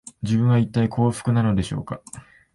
自分は、いったい幸福なのでしょうか